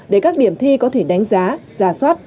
để các điểm thi có thể đánh giá giả soát